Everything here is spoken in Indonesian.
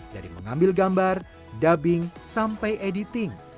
dari mengambil gambar dubbing sampai editing